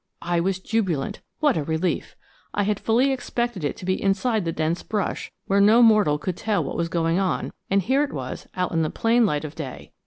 I was jubilant. What a relief! I had fully expected it to be inside the dense brush, where no mortal could tell what was going on; and here it was out in the plain light of day.